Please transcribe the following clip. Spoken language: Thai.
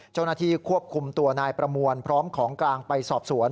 เจ้าหน้าที่ควบคุมตัวนายประมวลพร้อมของกลางไปสอบสวน